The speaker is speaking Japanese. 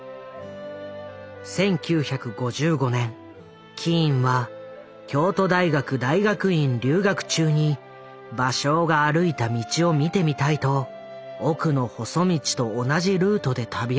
１９５５年キーンは京都大学大学院留学中に芭蕉が歩いた道を見てみたいと奥の細道と同じルートで旅をした。